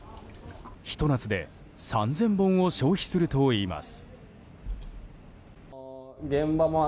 ひと夏で３０００本を消費するといいます。